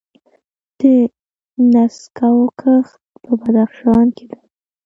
د نسکو کښت په بدخشان کې دی.